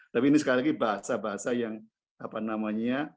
tapi ini sekali lagi bahasa bahasa yang apa namanya